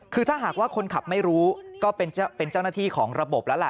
คือถ้าหากว่าคนขับไม่รู้ก็เป็นเจ้าหน้าที่ของระบบแล้วล่ะ